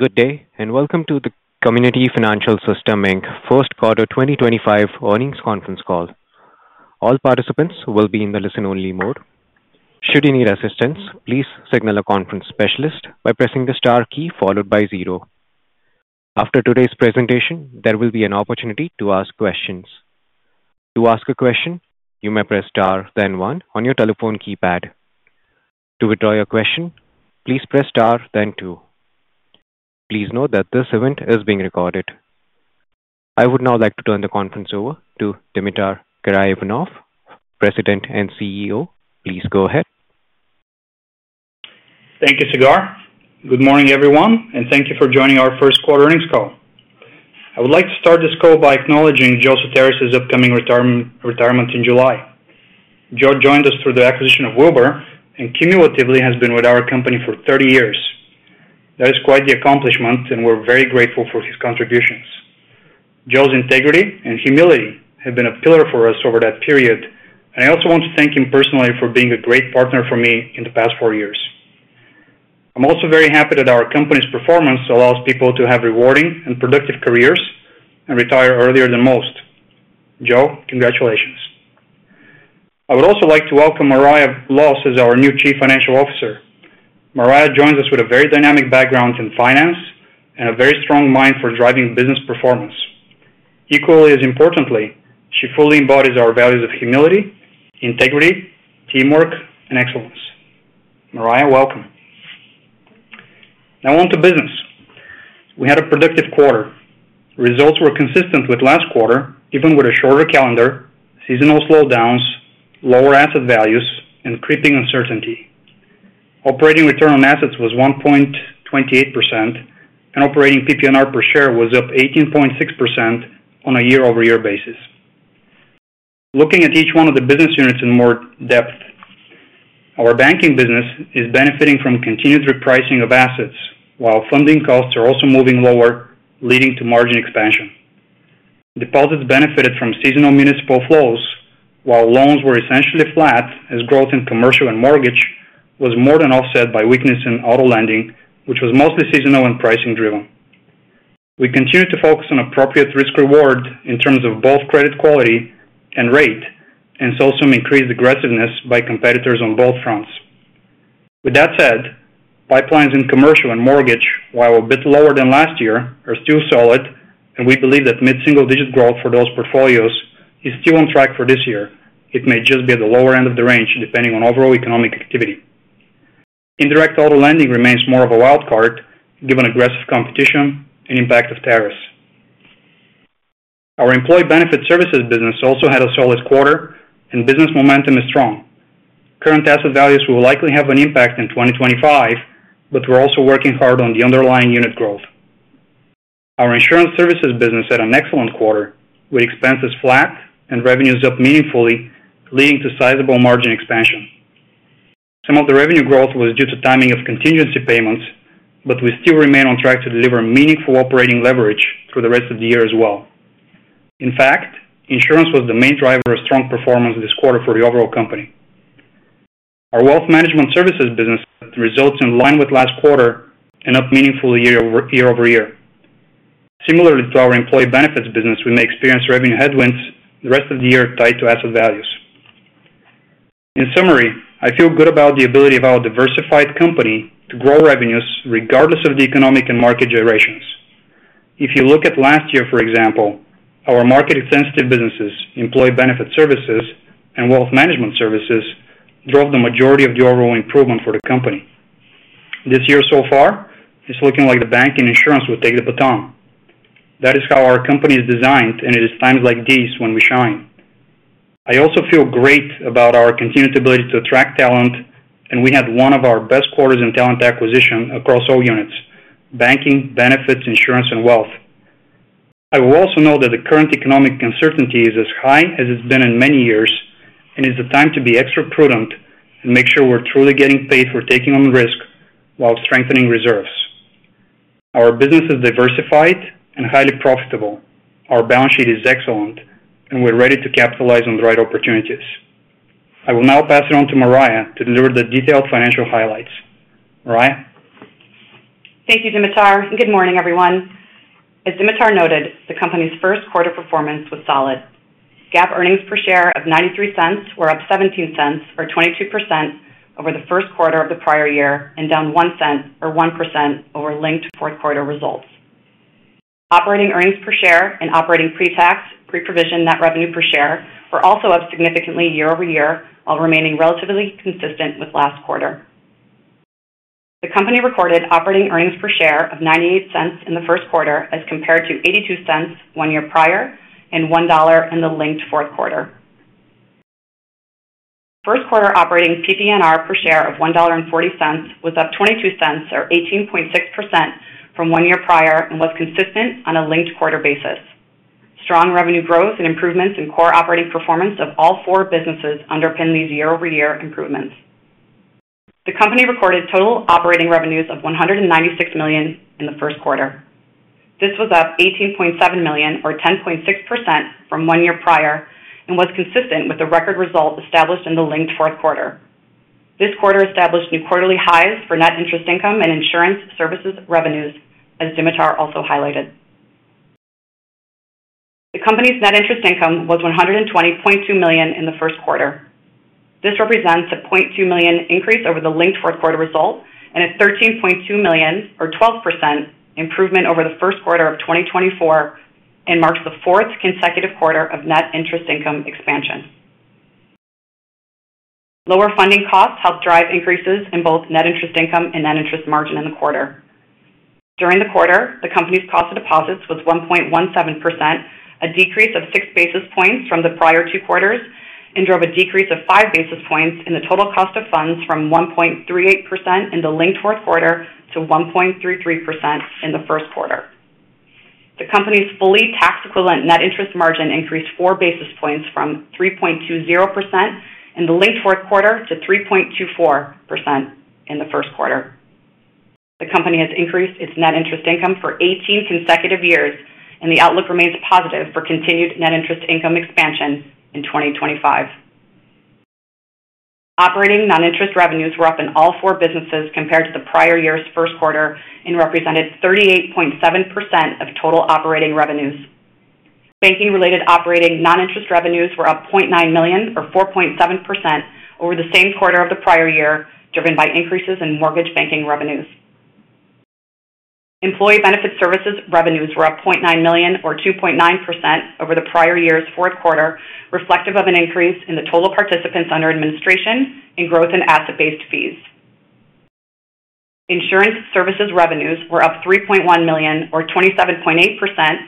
Good day, and welcome to the Community Financial System First Quarter 2025 earnings conference call. All participants will be in the listen-only mode. Should you need assistance, please signal a conference specialist by pressing the star key followed by zero. After today's presentation, there will be an opportunity to ask questions. To ask a question, you may press star, then one on your telephone keypad. To withdraw your question, please press star, then two. Please note that this event is being recorded. I would now like to turn the conference over to Dimitar Karaivanov, President and CEO. Please go ahead. Thank you, Sagar. Good morning, everyone, and thank you for joining our first quarter earnings call. I would like to start this call by acknowledging Joe Soteras's upcoming retirement in July. Joe joined us through the acquisition of Wilbur and cumulatively has been with our company for 30 years. That is quite the accomplishment, and we're very grateful for his contributions. Joe's integrity and humility have been a pillar for us over that period, and I also want to thank him personally for being a great partner for me in the past four years. I'm also very happy that our company's performance allows people to have rewarding and productive careers and retire earlier than most. Joe, congratulations. I would also like to welcome Marya Wlos as our new CFO. Marya joins us with a very dynamic background in finance and a very strong mind for driving business performance. Equally as importantly, she fully embodies our values of humility, integrity, teamwork, and excellence. Mariah, welcome. Now on to business. We had a productive quarter. Results were consistent with last quarter, even with a shorter calendar, seasonal slowdowns, lower asset values, and creeping uncertainty. Operating return on assets was 1.28%, and operating PPNR per share was up 18.6% on a year-over-year basis. Looking at each one of the business units in more depth, our banking business is benefiting from continued repricing of assets, while funding costs are also moving lower, leading to margin expansion. Deposits benefited from seasonal municipal flows, while loans were essentially flat as growth in commercial and mortgage was more than offset by weakness in auto lending, which was mostly seasonal and pricing-driven. We continue to focus on appropriate risk-reward in terms of both credit quality and rate, and see some increased aggressiveness by competitors on both fronts. With that said, pipelines in commercial and mortgage, while a bit lower than last year, are still solid, and we believe that mid-single-digit growth for those portfolios is still on track for this year. It may just be at the lower end of the range, depending on overall economic activity. Indirect auto lending remains more of a wild card given aggressive competition and impact of tariffs. Our employee benefit services business also had a solid quarter, and business momentum is strong. Current asset values will likely have an impact in 2025, but we're also working hard on the underlying unit growth. Our insurance services business had an excellent quarter, with expenses flat and revenues up meaningfully, leading to sizable margin expansion. Some of the revenue growth was due to timing of contingency payments, but we still remain on track to deliver meaningful operating leverage through the rest of the year as well. In fact, insurance was the main driver of strong performance this quarter for the overall company. Our wealth management services business results in line with last quarter and up meaningfully year-over-year. Similarly to our employee benefits business, we may experience revenue headwinds the rest of the year tied to asset values. In summary, I feel good about the ability of our diversified company to grow revenues regardless of the economic and market generations. If you look at last year, for example, our market-sensitive businesses, employee benefit services, and wealth management services drove the majority of the overall improvement for the company. This year so far, it's looking like the banking insurance will take the baton. That is how our company is designed, and it is times like these when we shine. I also feel great about our continued ability to attract talent, and we had one of our best quarters in talent acquisition across all units: banking, benefits, insurance, and wealth. I will also note that the current economic uncertainty is as high as it's been in many years, and it's the time to be extra prudent and make sure we're truly getting paid for taking on risk while strengthening reserves. Our business is diversified and highly profitable. Our balance sheet is excellent, and we're ready to capitalize on the right opportunities. I will now pass it on to Marya to deliver the detailed financial highlights. Marya. Thank you, Dimitar. Good morning, everyone. As Dimitar noted, the company's first quarter performance was solid. GAAP earnings per share of $0.93 were up $0.17, or 22%, over the first quarter of the prior year and down $0.01, or 1%, over linked fourth-quarter results. Operating earnings per share and operating pre-tax, pre-provision net revenue per share were also up significantly year-over-year, while remaining relatively consistent with last quarter. The company recorded operating earnings per share of $0.98 in the first quarter as compared to $0.82 one year prior and $1 in the linked fourth quarter. First quarter operating PPNR per share of $1.40 was up $0.22, or 18.6%, from one year prior and was consistent on a linked quarter basis. Strong revenue growth and improvements in core operating performance of all four businesses underpin these year-over-year improvements. The company recorded total operating revenues of $196 million in the first quarter. This was up $18.7 million, or 10.6%, from one year prior and was consistent with the record result established in the linked fourth quarter. This quarter established new quarterly highs for net interest income and insurance services revenues, as Dimitar also highlighted. The company's net interest income was $120.2 million in the first quarter. This represents a $0.2 million increase over the linked fourth quarter result and a $13.2 million, or 12%, improvement over the first quarter of 2024 and marks the fourth consecutive quarter of net interest income expansion. Lower funding costs helped drive increases in both net interest income and net interest margin in the quarter. During the quarter, the company's cost of deposits was 1.17%, a decrease of six basis points from the prior two quarters, and drove a decrease of five basis points in the total cost of funds from 1.38% in the linked fourth quarter to 1.33% in the first quarter. The company's fully tax-equivalent net interest margin increased four basis points from 3.20% in the linked fourth quarter to 3.24% in the first quarter. The company has increased its net interest income for 18 consecutive years, and the outlook remains positive for continued net interest income expansion in 2025. Operating non-interest revenues were up in all four businesses compared to the prior year's first quarter and represented 38.7% of total operating revenues. Banking-related operating non-interest revenues were up $0.9 million, or 4.7%, over the same quarter of the prior year, driven by increases in mortgage banking revenues. Employee benefit services revenues were up $0.9 million, or 2.9%, over the prior year's fourth quarter, reflective of an increase in the total participants under administration and growth in asset-based fees. Insurance services revenues were up $3.1 million, or 27.8%,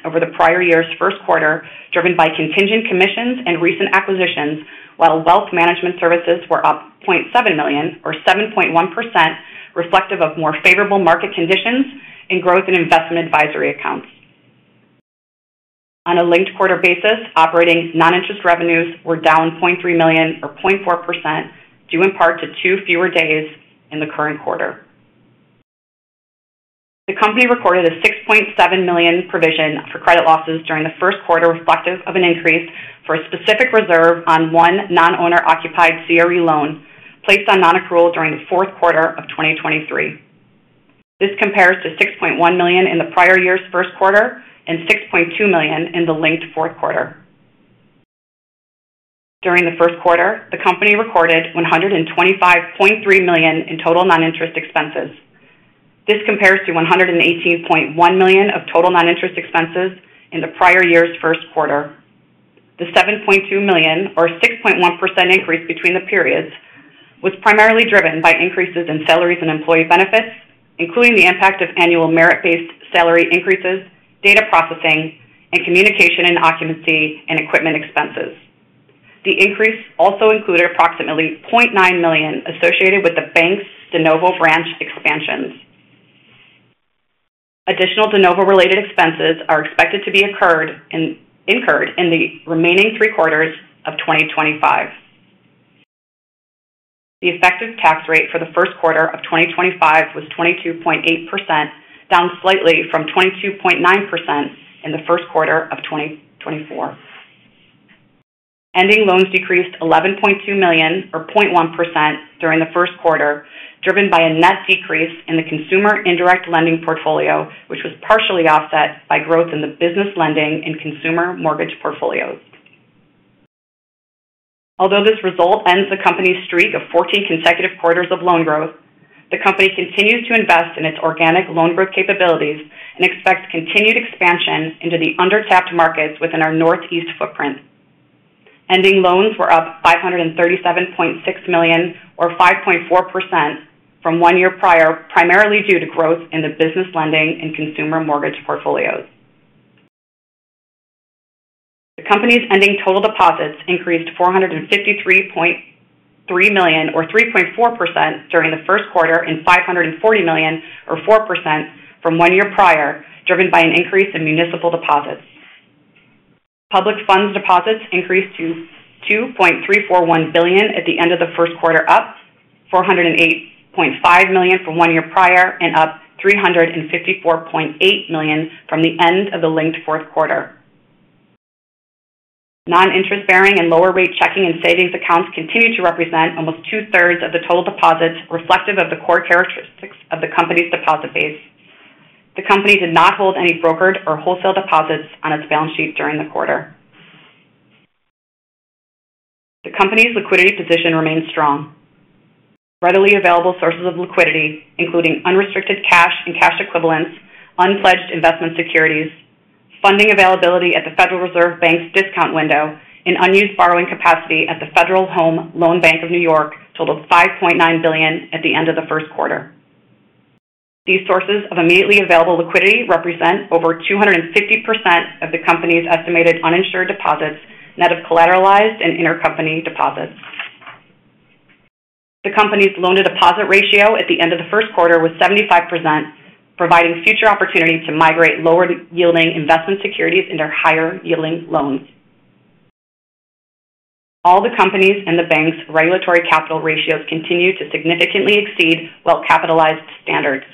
over the prior year's first quarter, driven by contingent commissions and recent acquisitions, while wealth management services were up $0.7 million, or 7.1%, reflective of more favorable market conditions and growth in investment advisory accounts. On a linked quarter basis, operating non-interest revenues were down $0.3 million, or 0.4%, due in part to two fewer days in the current quarter. The company recorded a $6.7 million provision for credit losses during the first quarter, reflective of an increase for a specific reserve on one non-owner-occupied commercial real estate loan placed on non-accrual during the fourth quarter of 2023. This compares to $6.1 million in the prior year's first quarter and $6.2 million in the linked fourth quarter. During the first quarter, the company recorded $125.3 million in total non-interest expenses. This compares to $118.1 million of total non-interest expenses in the prior year's first quarter. The $7.2 million, or 6.1%, increase between the periods was primarily driven by increases in salaries and employee benefits, including the impact of annual merit-based salary increases, data processing, and communication and occupancy and equipment expenses. The increase also included approximately $0.9 million associated with the bank's DeNovo branch expansions. Additional DeNovo-related expenses are expected to be incurred in the remaining three quarters of 2025. The effective tax rate for the first quarter of 2025 was 22.8%, down slightly from 22.9% in the first quarter of 2024. Ending loans decreased $11.2 million, or 0.1%, during the first quarter, driven by a net decrease in the consumer indirect lending portfolio, which was partially offset by growth in the business lending and consumer mortgage portfolios. Although this result ends the company's streak of 14 consecutive quarters of loan growth, the company continues to invest in its organic loan growth capabilities and expects continued expansion into the undertapped markets within our Northeast footprint. Ending loans were up $537.6 million, or 5.4%, from one year prior, primarily due to growth in the business lending and consumer mortgage portfolios. The company's ending total deposits increased $453.3 million, or 3.4%, during the first quarter and $540 million, or 4%, from one year prior, driven by an increase in municipal deposits. Public funds deposits increased to $2.341 billion at the end of the first quarter, up $408.5 million from one year prior and up $354.8 million from the end of the linked fourth quarter. Non-interest-bearing and lower-rate checking and savings accounts continue to represent almost two-thirds of the total deposits, reflective of the core characteristics of the company's deposit base. The company did not hold any brokered or wholesale deposits on its balance sheet during the quarter. The company's liquidity position remains strong. Readily available sources of liquidity, including unrestricted cash and cash equivalents, unpledged investment securities, funding availability at the Federal Reserve Bank's discount window, and unused borrowing capacity at the Federal Home Loan Bank of New York, totaled $5.9 billion at the end of the first quarter. These sources of immediately available liquidity represent over 250% of the company's estimated uninsured deposits, net of collateralized and intercompany deposits. The company's loan-to-deposit ratio at the end of the first quarter was 75%, providing future opportunity to migrate lower-yielding investment securities into higher-yielding loans. All the company's and the bank's regulatory capital ratios continue to significantly exceed well-capitalized standards.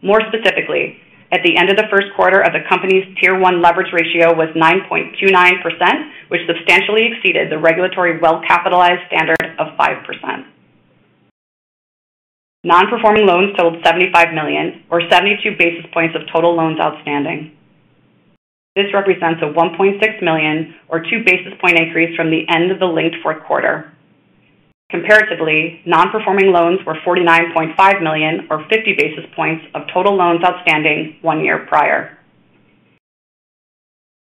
More specifically, at the end of the first quarter, the company's tier-one leverage ratio was 9.29%, which substantially exceeded the regulatory well-capitalized standard of 5%. Non-performing loans totaled $75 million, or 72 basis points of total loans outstanding. This represents a $1.6 million, or 2 basis point, increase from the end of the linked fourth quarter. Comparatively, non-performing loans were $49.5 million, or 50 basis points of total loans outstanding one year prior.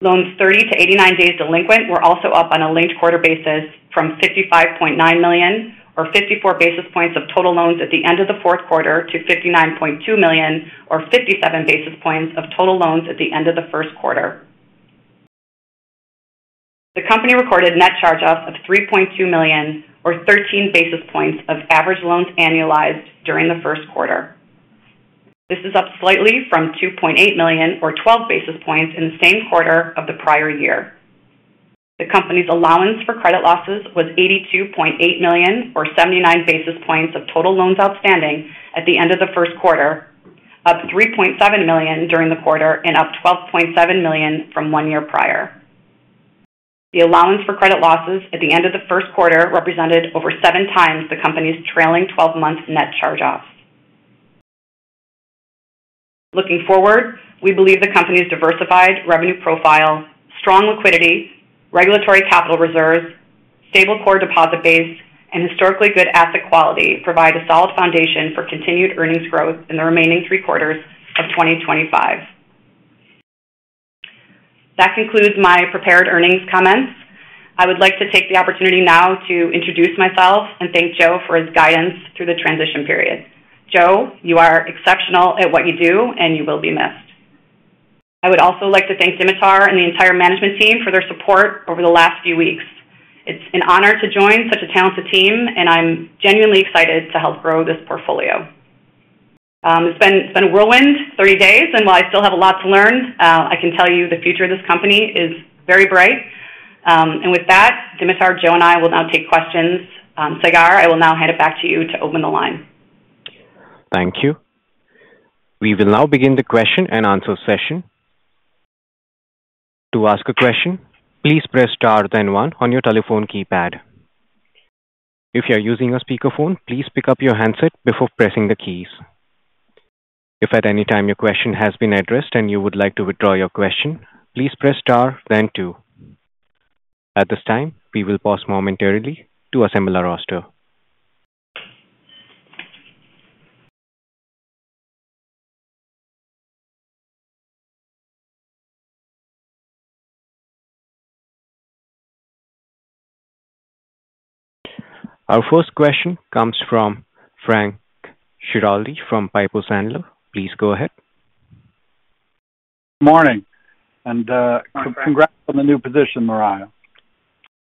Loans 30 to 89 days delinquent were also up on a linked quarter basis from $55.9 million, or 54 basis points of total loans at the end of the fourth quarter, to $59.2 million, or 57 basis points of total loans at the end of the first quarter. The company recorded net charge-off of $3.2 million, or 13 basis points of average loans annualized during the first quarter. This is up slightly from $2.8 million, or 12 basis points, in the same quarter of the prior year. The company's allowance for credit losses was $82.8 million, or 79 basis points of total loans outstanding at the end of the first quarter, up $3.7 million during the quarter, and up $12.7 million from one year prior. The allowance for credit losses at the end of the first quarter represented over seven times the company's trailing 12-month net charge-off. Looking forward, we believe the company's diversified revenue profile, strong liquidity, regulatory capital reserves, stable core deposit base, and historically good asset quality provide a solid foundation for continued earnings growth in the remaining three quarters of 2025. That concludes my prepared earnings comments. I would like to take the opportunity now to introduce myself and thank Joe for his guidance through the transition period. Joe, you are exceptional at what you do, and you will be missed. I would also like to thank Dimitar and the entire management team for their support over the last few weeks. It's an honor to join such a talented team, and I'm genuinely excited to help grow this portfolio. It's been a whirlwind 30 days, and while I still have a lot to learn, I can tell you the future of this company is very bright. With that, Dimitar, Joe and I will now take questions. Segar, I will now hand it back to you to open the line. Thank you. We will now begin the question and answer session. To ask a question, please press Star, then 1, on your telephone keypad. If you are using a speakerphone, please pick up your handset before pressing the keys. If at any time your question has been addressed and you would like to withdraw your question, please press Star, then 2. At this time, we will pause momentarily to assemble our roster. Our first question comes from Frank Schiraldi from Piper Sandler. Please go ahead. Good morning, and congrats on the new position, Marya.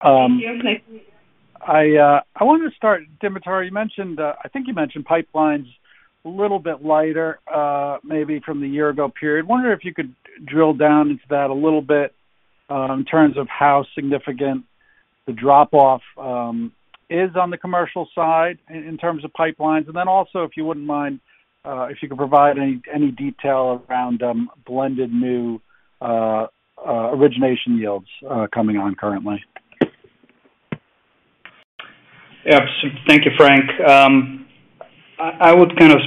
Thank you. I wanted to start, Dimitar, you mentioned—I think you mentioned pipelines a little bit lighter, maybe from the year-ago period. I wonder if you could drill down into that a little bit in terms of how significant the drop-off is on the commercial side in terms of pipelines. Also, if you would not mind, if you could provide any detail around blended new origination yields coming on currently. Yep. Thank you, Frank. I would kind of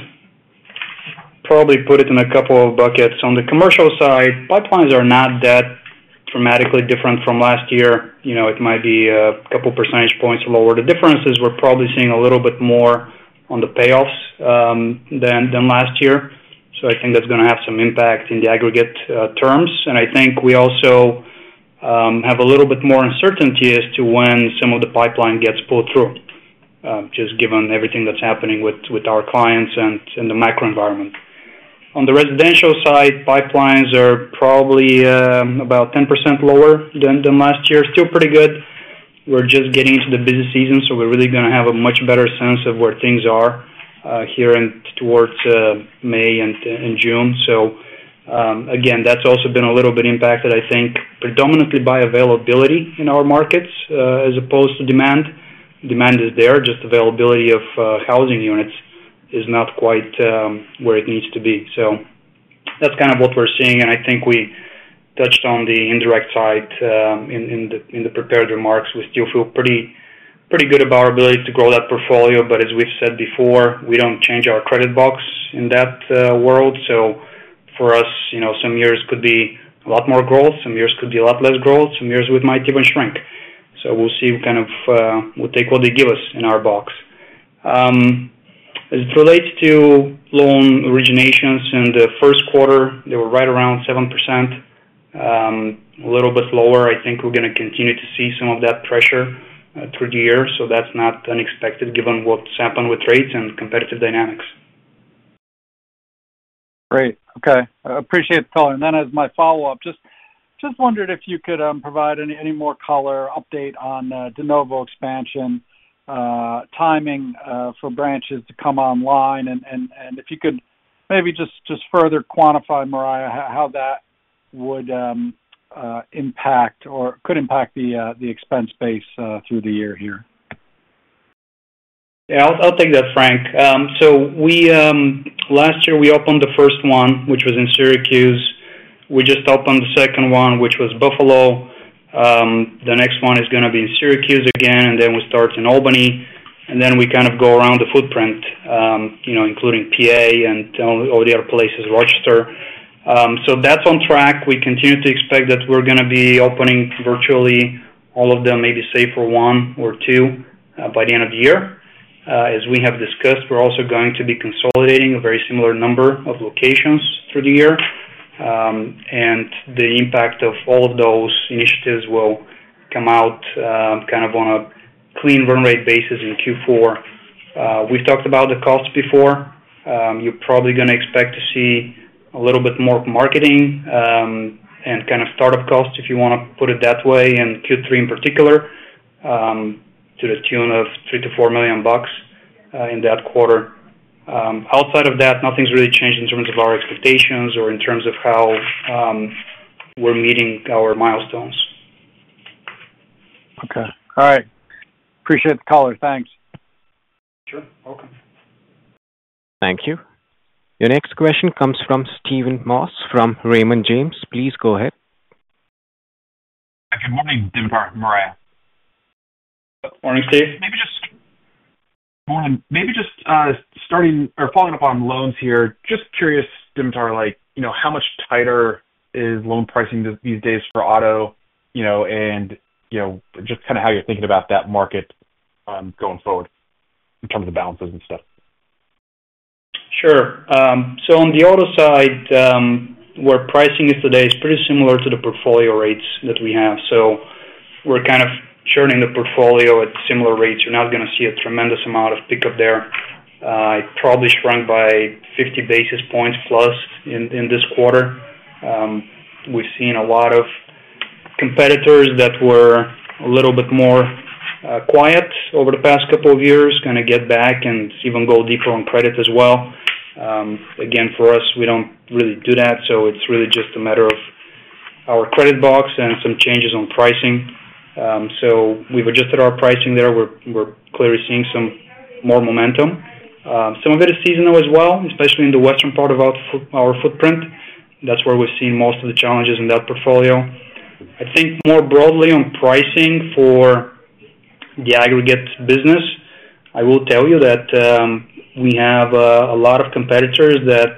probably put it in a couple of buckets. On the commercial side, pipelines are not that dramatically different from last year. It might be a couple of percentage points lower. The difference is we're probably seeing a little bit more on the payoffs than last year. I think that's going to have some impact in the aggregate terms. I think we also have a little bit more uncertainty as to when some of the pipeline gets pulled through, just given everything that's happening with our clients and the macro environment. On the residential side, pipelines are probably about 10% lower than last year. Still pretty good. We're just getting into the busy season, so we're really going to have a much better sense of where things are here and towards May and June. Again, that's also been a little bit impacted, I think, predominantly by availability in our markets as opposed to demand. Demand is there. Just availability of housing units is not quite where it needs to be. That's kind of what we're seeing. I think we touched on the indirect side in the prepared remarks. We still feel pretty good about our ability to grow that portfolio. As we've said before, we don't change our credit box in that world. For us, some years could be a lot more growth, some years could be a lot less growth, some years we might even shrink. We'll see. We'll take what they give us in our box. As it relates to loan originations in the first quarter, they were right around 7%, a little bit lower. I think we're going to continue to see some of that pressure through the year. That's not unexpected given what's happened with rates and competitive dynamics. Great. Okay. I appreciate the color. As my follow-up, just wondered if you could provide any more color update on DeNovo expansion, timing for branches to come online, and if you could maybe just further quantify, Marya, how that would impact or could impact the expense base through the year here. Yeah. I'll take that, Frank. Last year, we opened the first one, which was in Syracuse. We just opened the second one, which was Buffalo. The next one is going to be in Syracuse again, and then we start in Albany. We kind of go around the footprint, including PA and all the other places, Rochester. That is on track. We continue to expect that we are going to be opening virtually all of them, maybe save for one or two by the end of the year. As we have discussed, we are also going to be consolidating a very similar number of locations through the year. The impact of all of those initiatives will come out kind of on a clean run rate basis in Q4. We have talked about the costs before. You're probably going to expect to see a little bit more marketing and kind of startup costs, if you want to put it that way, in Q3 in particular, to the tune of $3 million-$4 million in that quarter. Outside of that, nothing's really changed in terms of our expectations or in terms of how we're meeting our milestones. Okay. All right. Appreciate the color. Thanks. Sure. Welcome. Thank you. Your next question comes from Steven Moss from Raymond James. Please go ahead. Hi. Good morning, Dimitar, Marya. Morning, Steve. Maybe just starting or following up on loans here, just curious, Dimitar, how much tighter is loan pricing these days for auto and just kind of how you're thinking about that market going forward in terms of balances and stuff? Sure. On the auto side, where pricing is today is pretty similar to the portfolio rates that we have. We are kind of churning the portfolio at similar rates. You are not going to see a tremendous amount of pickup there. It probably shrank by 50 basis points plus in this quarter. We have seen a lot of competitors that were a little bit more quiet over the past couple of years kind of get back and even go deeper on credit as well. Again, for us, we do not really do that. It is really just a matter of our credit box and some changes on pricing. We have adjusted our pricing there. We are clearly seeing some more momentum. Some of it is seasonal as well, especially in the western part of our footprint. That is where we have seen most of the challenges in that portfolio. I think more broadly on pricing for the aggregate business, I will tell you that we have a lot of competitors that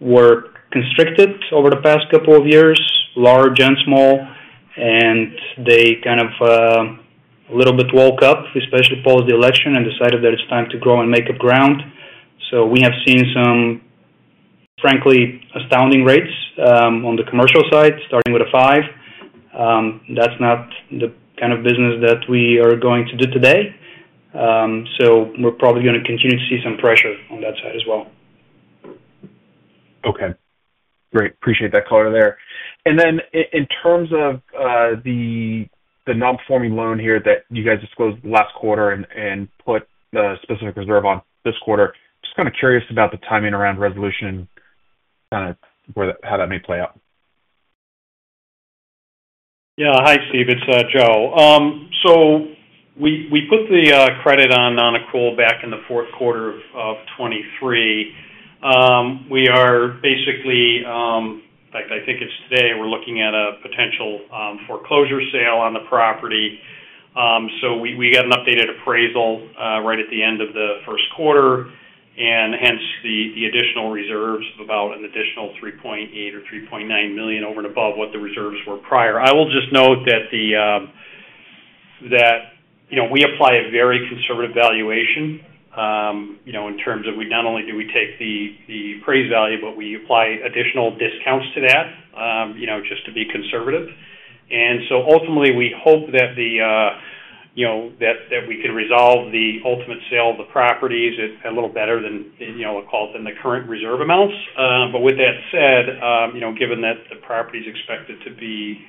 were constricted over the past couple of years, large and small, and they kind of a little bit woke up, especially post-election, and decided that it's time to grow and make up ground. We have seen some, frankly, astounding rates on the commercial side, starting with a 5. That's not the kind of business that we are going to do today. We are probably going to continue to see some pressure on that side as well. Okay. Great. Appreciate that color there. In terms of the non-performing loan here that you guys disclosed last quarter and put the specific reserve on this quarter, just kind of curious about the timing around resolution and kind of how that may play out. Yeah. Hi, Steve. It's Joe. We put the credit on a call back in the fourth quarter of 2023. We are basically—in fact, I think it's today—we're looking at a potential foreclosure sale on the property. We got an updated appraisal right at the end of the first quarter, and hence the additional reserves of about an additional $3.8 million or $3.9 million over and above what the reserves were prior. I will just note that we apply a very conservative valuation in terms of not only do we take the appraised value, but we apply additional discounts to that just to be conservative. Ultimately, we hope that we can resolve the ultimate sale of the properties a little better than a call than the current reserve amounts. With that said, given that the property is expected to be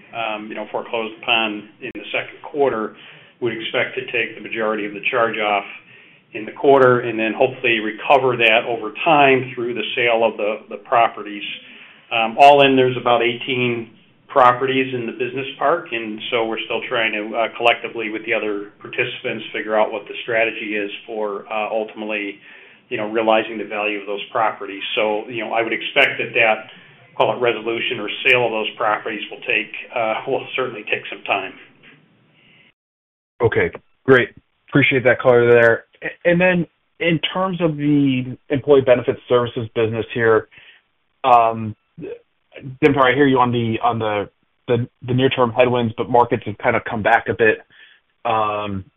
foreclosed upon in the second quarter, we expect to take the majority of the charge-off in the quarter and then hopefully recover that over time through the sale of the properties. All in, there are about 18 properties in the business park. We are still trying to collectively with the other participants figure out what the strategy is for ultimately realizing the value of those properties. I would expect that that, call it resolution or sale of those properties, will certainly take some time. Okay. Great. Appreciate that color there. In terms of the employee benefit services business here, Dimitar, I hear you on the near-term headwinds, but markets have kind of come back a bit.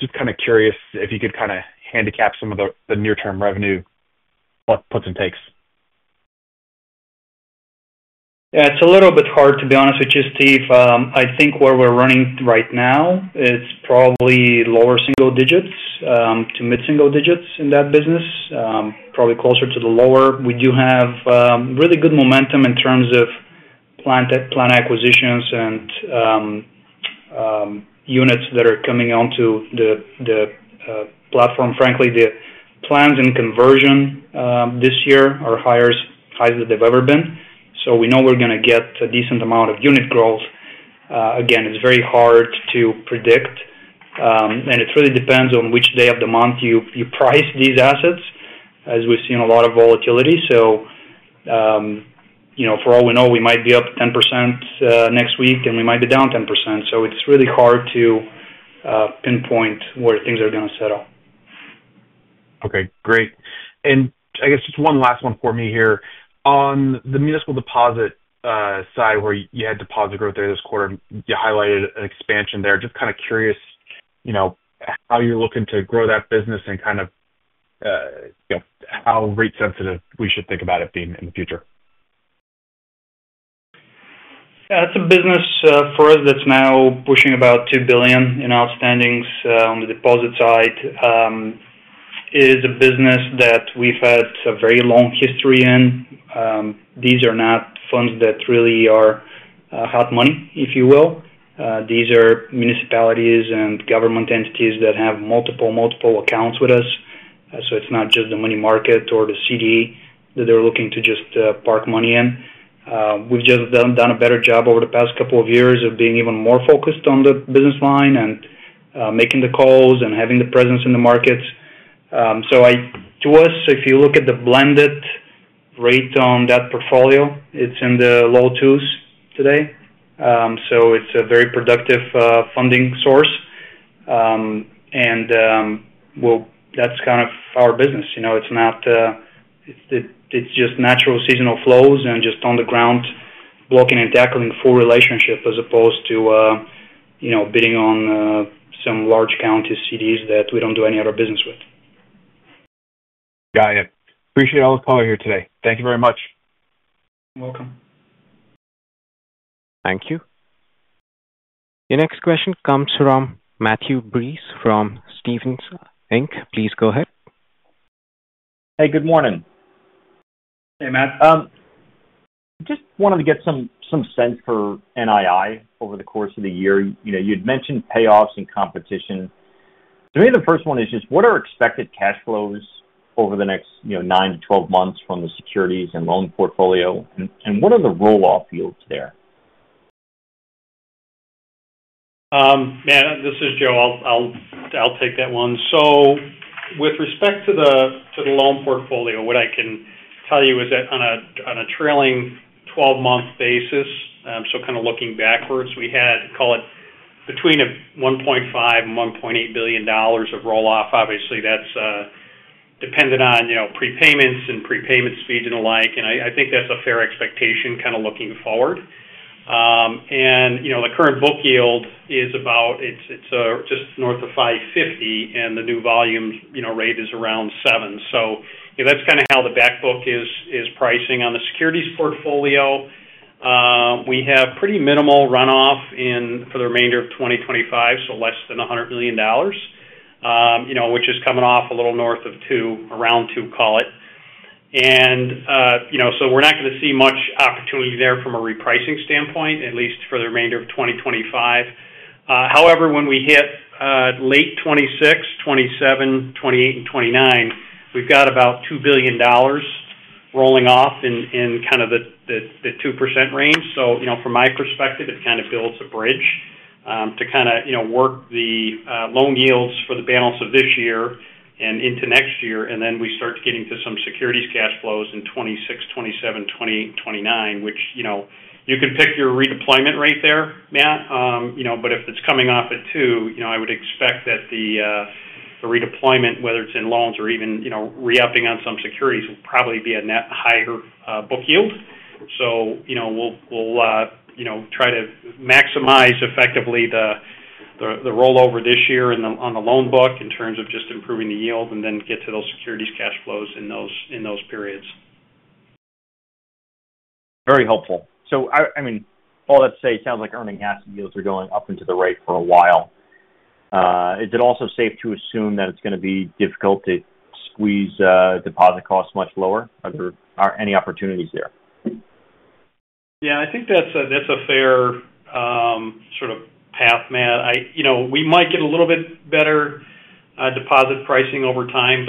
Just kind of curious if you could kind of handicap some of the near-term revenue puts and takes. Yeah. It's a little bit hard, to be honest with you, Steve. I think where we're running right now, it's probably lower single digits to mid-single digits in that business, probably closer to the lower. We do have really good momentum in terms of plant acquisitions and units that are coming onto the platform. Frankly, the plans and conversion this year are higher highs than they've ever been. We know we're going to get a decent amount of unit growth. Again, it's very hard to predict. It really depends on which day of the month you price these assets, as we've seen a lot of volatility. For all we know, we might be up 10% next week, and we might be down 10%. It's really hard to pinpoint where things are going to settle. Okay. Great. I guess just one last one for me here. On the municipal deposit side, where you had deposit growth there this quarter, you highlighted an expansion there. Just kind of curious how you're looking to grow that business and kind of how rate-sensitive we should think about it being in the future. Yeah. It's a business for us that's now pushing about $2 billion in outstandings on the deposit side. It is a business that we've had a very long history in. These are not funds that really are hot money, if you will. These are municipalities and government entities that have multiple, multiple accounts with us. It is not just the money market or the CD that they're looking to just park money in. We've just done a better job over the past couple of years of being even more focused on the business line and making the calls and having the presence in the markets. To us, if you look at the blended rate on that portfolio, it's in the low twos today. It is a very productive funding source. That's kind of our business. It's just natural seasonal flows and just on-the-ground blocking and tackling full relationship as opposed to bidding on some large county CDs that we don't do any other business with. Got it. Appreciate all the color here today. Thank you very much. You're welcome. Thank you. Your next question comes from Matthew Breese from Stevens Inc. Please go ahead. Hey. Good morning. Hey, Matt. Just wanted to get some sense for NII over the course of the year. You had mentioned payoffs and competition. To me, the first one is just what are expected cash flows over the next 9 to 12 months from the securities and loan portfolio? And what are the rolloff yields there? Matt. This is Joel. I'll take that one. With respect to the loan portfolio, what I can tell you is that on a trailing 12-month basis, so kind of looking backwards, we had, call it, between $1.5 billion and $1.8 billion of rolloff. Obviously, that's dependent on prepayments and prepayment speeds and the like. I think that's a fair expectation kind of looking forward. The current book yield is about, it's just north of 5.50%, and the new volume rate is around 7%. That's kind of how the backbook is pricing on the securities portfolio. We have pretty minimal runoff for the remainder of 2025, so less than $100 million, which is coming off a little north of 2, around 2, call it. We are not going to see much opportunity there from a repricing standpoint, at least for the remainder of 2025. However, when we hit late 2026, 2027, 2028, and 2029, we have about $2 billion rolling off in kind of the 2% range. From my perspective, it kind of builds a bridge to kind of work the loan yields for the balances of this year and into next year. Then we start getting to some securities cash flows in 2026, 2027, 2028, and 2029, which you can pick your redeployment rate there, Matt. If it's coming off at 2, I would expect that the redeployment, whether it's in loans or even re-upping on some securities, will probably be a higher book yield. We will try to maximize effectively the rollover this year on the loan book in terms of just improving the yield and then get to those securities cash flows in those periods. Very helpful. I mean, all that to say, it sounds like earning asset yields are going up and to the right for a while. Is it also safe to assume that it's going to be difficult to squeeze deposit costs much lower? Are there any opportunities there? Yeah. I think that's a fair sort of path, Matt. We might get a little bit better deposit pricing over time.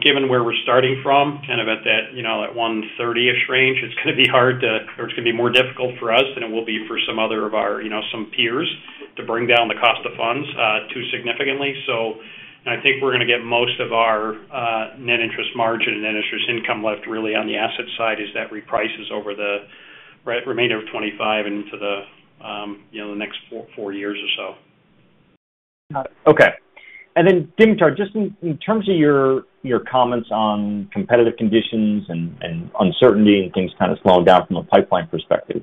Given where we're starting from, kind of at that 130-ish range, it's going to be hard to, or it's going to be more difficult for us than it will be for some other of our peers to bring down the cost of funds too significantly. I think we're going to get most of our net interest margin and net interest income left really on the asset side as that reprices over the remainder of 2025 and into the next four years or so. Got it. Okay. And then, Dimitar, just in terms of your comments on competitive conditions and uncertainty and things kind of slowing down from a pipeline perspective,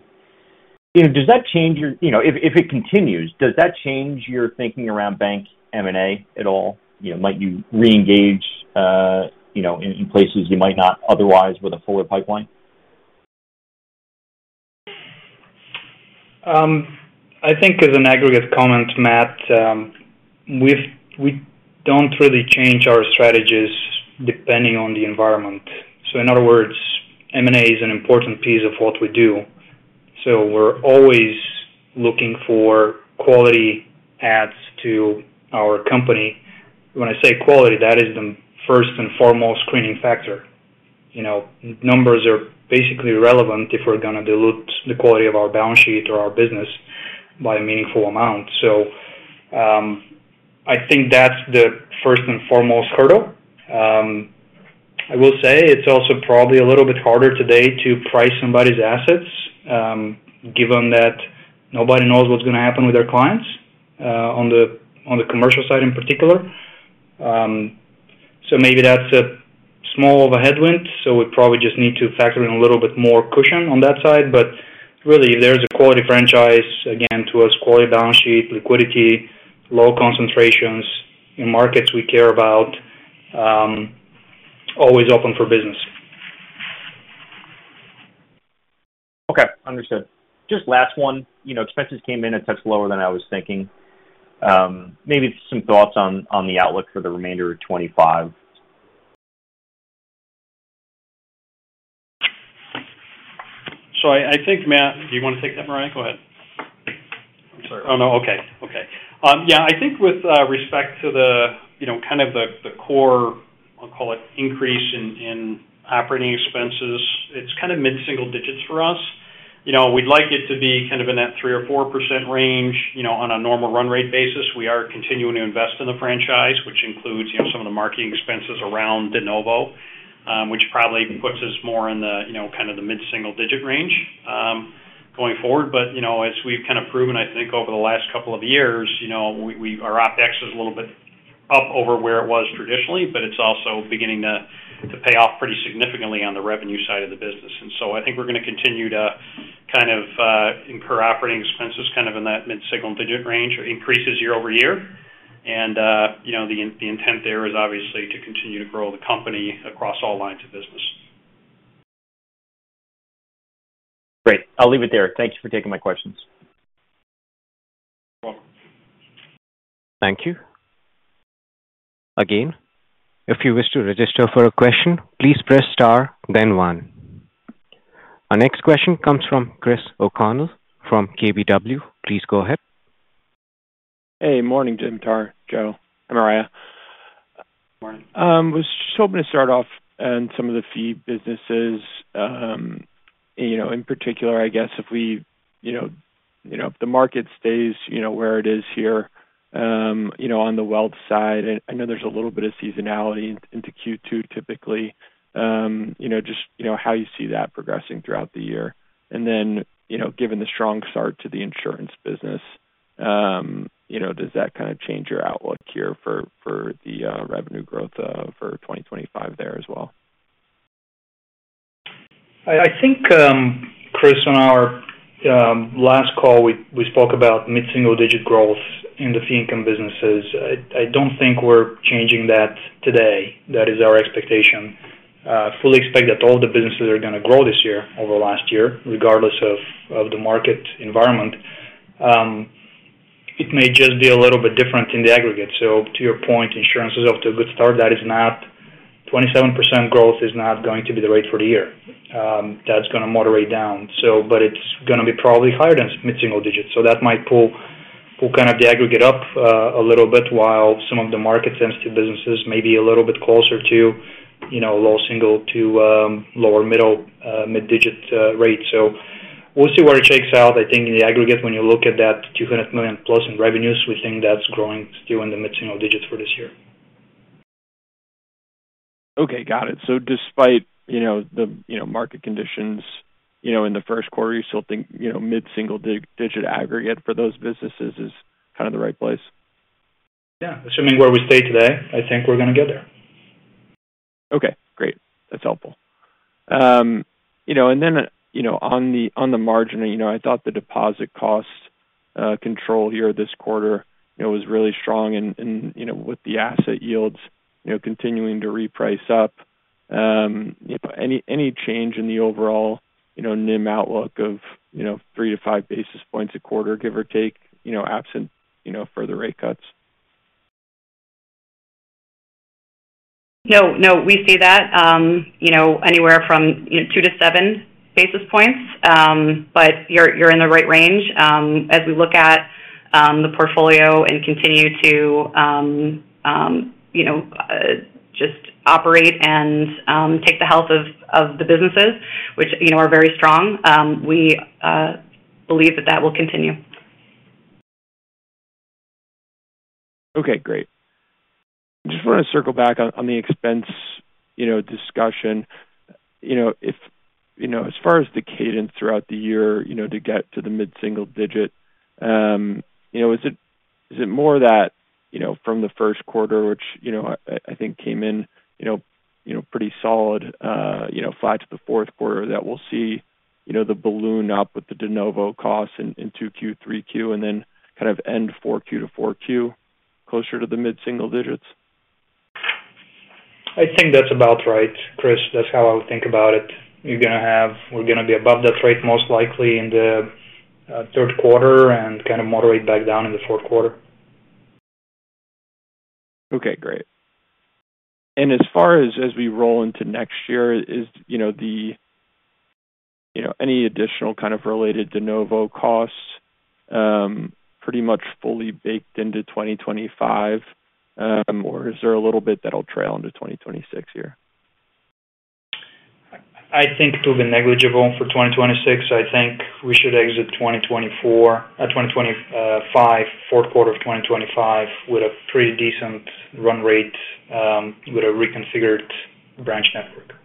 does that change your, if it continues, does that change your thinking around bank M&A at all? Might you reengage in places you might not otherwise with a fuller pipeline? I think as an aggregate comment, Matt, we do not really change our strategies depending on the environment. In other words, M&A is an important piece of what we do. We are always looking for quality adds to our company. When I say quality, that is the first and foremost screening factor. Numbers are basically irrelevant if we are going to dilute the quality of our balance sheet or our business by a meaningful amount. I think that is the first and foremost hurdle. I will say it is also probably a little bit harder today to price somebody's assets given that nobody knows what is going to happen with their clients on the commercial side in particular. Maybe that is a small bit of a headwind. We probably just need to factor in a little bit more cushion on that side. If there's a quality franchise, again, to us, quality balance sheet, liquidity, low concentrations in markets we care about, always open for business. Okay. Understood. Just last one. Expenses came in a touch lower than I was thinking. Maybe some thoughts on the outlook for the remainder of 2025. I think, Matt, do you want to take that, Brian? Go ahead. I'm sorry. Oh, no. Okay. Okay. Yeah. I think with respect to kind of the core, I'll call it, increase in operating expenses, it's kind of mid-single digits for us. We'd like it to be kind of in that 3% or 4% range on a normal run rate basis. We are continuing to invest in the franchise, which includes some of the marketing expenses around De Novo, which probably puts us more in kind of the mid-single digit range going forward. As we've kind of proven, I think over the last couple of years, our OpEx is a little bit up over where it was traditionally, but it's also beginning to pay off pretty significantly on the revenue side of the business. I think we're going to continue to kind of incur operating expenses kind of in that mid-single digit range or increases year over year. The intent there is obviously to continue to grow the company across all lines of business. Great. I'll leave it there. Thank you for taking my questions. You're welcome. Thank you. Again, if you wish to register for a question, please press star, then one. Our next question comes from Chris O'Connell from KBW. Please go ahead. Hey. Morning, Dimitar, Joe. I'm Aria. Morning. I was just hoping to start off on some of the fee businesses. In particular, I guess if we if the market stays where it is here on the wealth side, I know there's a little bit of seasonality into Q2 typically, just how you see that progressing throughout the year. Then given the strong start to the insurance business, does that kind of change your outlook here for the revenue growth for 2025 there as well? I think, Chris, on our last call, we spoke about mid-single digit growth in the fee-income businesses. I don't think we're changing that today. That is our expectation. I fully expect that all the businesses are going to grow this year over last year, regardless of the market environment. It may just be a little bit different in the aggregate. To your point, insurance is off to a good start. That 27% growth is not going to be the rate for the year. That is going to moderate down. It is going to be probably higher than mid-single digits. That might pull the aggregate up a little bit while some of the market-sensitive businesses may be a little bit closer to low single to lower middle mid-digit rates. We will see where it shakes out. I think in the aggregate, when you look at that $200 million plus in revenues, we think that's growing still in the mid-single digits for this year. Okay. Got it. Despite the market conditions in the first quarter, you still think mid-single digit aggregate for those businesses is kind of the right place? Yeah. Assuming where we stay today, I think we're going to get there. Okay. Great. That's helpful. Then on the margin, I thought the deposit cost control here this quarter was really strong with the asset yields continuing to reprice up. Any change in the overall NIM outlook of three to five basis points a quarter, give or take, absent further rate cuts? No. No. We see that anywhere from two to seven basis points. You are in the right range. As we look at the portfolio and continue to just operate and take the health of the businesses, which are very strong, we believe that that will continue. Okay. Great. Just want to circle back on the expense discussion. As far as the cadence throughout the year to get to the mid-single digit, is it more that from the first quarter, which I think came in pretty solid flat to the fourth quarter, that we'll see the balloon up with the De Novo costs in 2Q, 3Q, and then kind of end 4Q to 4Q closer to the mid-single digits? I think that's about right, Chris. That's how I would think about it. We're going to be above that rate most likely in the third quarter and kind of moderate back down in the fourth quarter. Great. As far as we roll into next year, is any additional kind of related De Novo cost pretty much fully baked into 2025, or is there a little bit that'll trail into 2026 here? I think it will be negligible for 2026. I think we should exit 2025, fourth quarter of 2025, with a pretty decent run rate with a reconfigured branch network.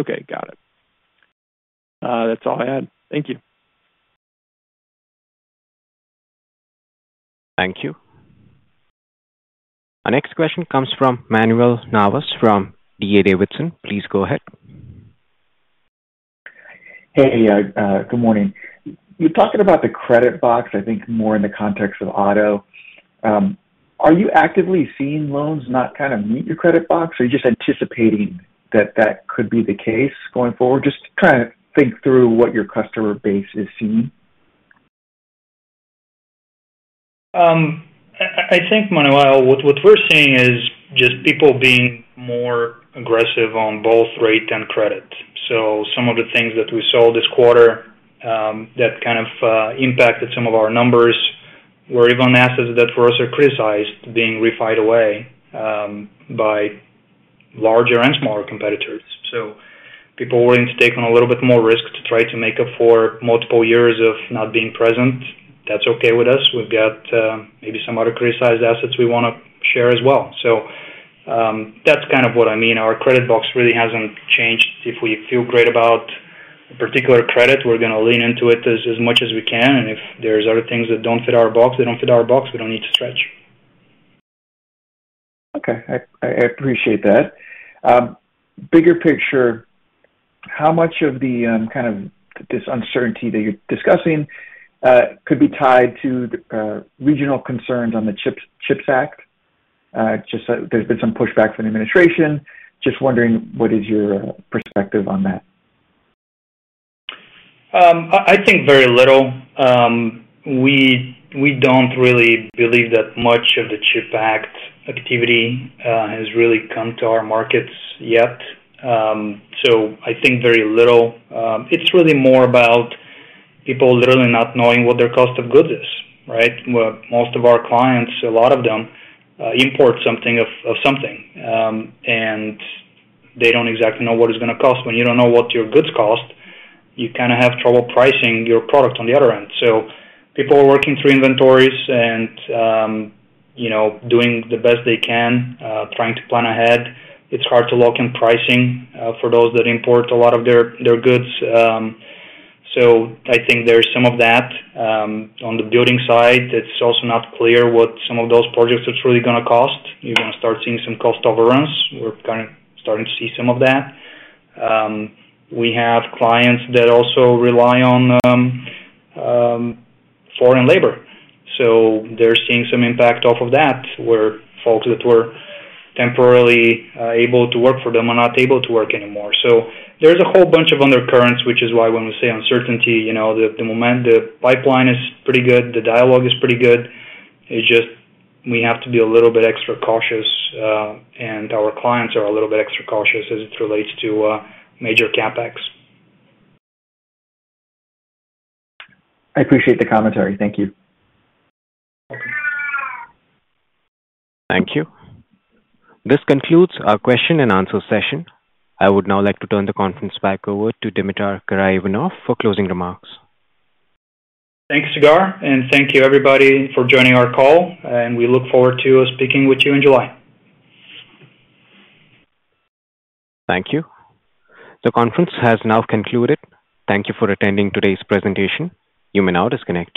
Okay. Got it. That's all I had. Thank you. Thank you. Our next question comes from Manuel Navas from DA Davidson. Please go ahead. Hey. Good morning. You're talking about the credit box, I think more in the context of auto. Are you actively seeing loans not kind of meet your credit box, or are you just anticipating that that could be the case going forward? Just trying to think through what your customer base is seeing. I think, Manuel, what we're seeing is just people being more aggressive on both rate and credit. Some of the things that we saw this quarter that kind of impacted some of our numbers were even assets that, for us, are criticized being refined away by larger and smaller competitors. People willing to take on a little bit more risk to try to make up for multiple years of not being present, that's okay with us. We've got maybe some other criticized assets we want to share as well. That's kind of what I mean. Our credit box really hasn't changed. If we feel great about a particular credit, we're going to lean into it as much as we can. If there's other things that don't fit our box, they don't fit our box. We don't need to stretch. Okay. I appreciate that. Bigger picture, how much of the kind of this uncertainty that you're discussing could be tied to regional concerns on the CHIPS Act? There's been some pushback from the administration. Just wondering what is your perspective on that? I think very little. We don't really believe that much of the CHIPS Act activity has really come to our markets yet. I think very little. It's really more about people literally not knowing what their cost of goods is, right? Most of our clients, a lot of them, import something of something, and they don't exactly know what it's going to cost. When you don't know what your goods cost, you kind of have trouble pricing your product on the other end. People are working through inventories and doing the best they can, trying to plan ahead. It's hard to lock in pricing for those that import a lot of their goods. I think there's some of that. On the building side, it's also not clear what some of those projects are truly going to cost. You're going to start seeing some cost overruns. We're kind of starting to see some of that. We have clients that also rely on foreign labor. They're seeing some impact off of that, where folks that were temporarily able to work for them are not able to work anymore. There is a whole bunch of undercurrents, which is why when we say uncertainty, the pipeline is pretty good, the dialogue is pretty good. It's just we have to be a little bit extra cautious, and our clients are a little bit extra cautious as it relates to major CapEx. I appreciate the commentary. Thank you. Welcome. Thank you. This concludes our question-and-answer session. I would now like to turn the conference back over to Dimitar Karaivanov for closing remarks. Thank you, Shigar. Thank you, everybody, for joining our call. We look forward to speaking with you in July. Thank you. The conference has now concluded. Thank you for attending today's presentation. You may now disconnect.